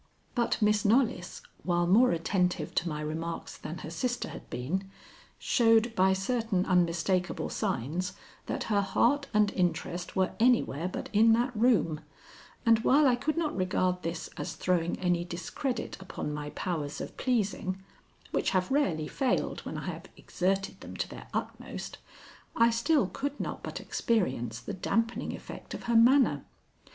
But Miss Knollys, while more attentive to my remarks than her sister had been, showed, by certain unmistakable signs, that her heart and interest were anywhere but in that room; and while I could not regard this as throwing any discredit upon my powers of pleasing which have rarely failed when I have exerted them to their utmost, I still could not but experience the dampening effect of her manner.